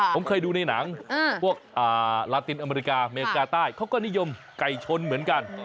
ผมเคยดูในหนังพวกลาตินอเมริกาอเมริกาใต้เขาก็นิยมไก่ชนเหมือนกัน